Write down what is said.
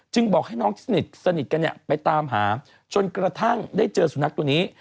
บอกให้น้องที่สนิทกันไปตามหาจนกระทั่งได้เจอสุนัขตัวนี้